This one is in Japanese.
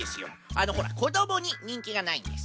あのほらこどもににんきがないんです。